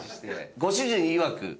ご主人いわく